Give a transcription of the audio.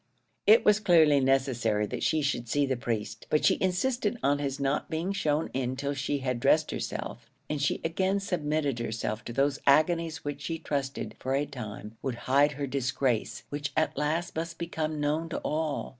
It was clearly necessary that she should see the priest; but she insisted on his not being shown in till she had dressed herself; and she again submitted herself to those agonies which she trusted, for a time, would hide her disgrace, which at last must become known to all.